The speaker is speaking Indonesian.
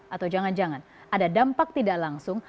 atau jangan jangan ada dampak tidak langsung